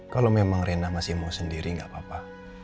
kalau memang rena masih mau sendiri gak apa apa